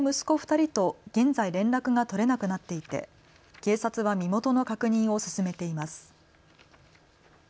２人と現在、連絡が取れなくなっていて警察は身元の確認を進めています。